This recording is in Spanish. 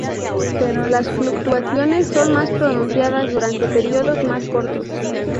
Pero las fluctuaciones son más pronunciadas durante períodos más cortos.